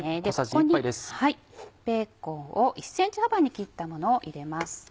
ここにベーコンを１ｃｍ幅に切ったものを入れます。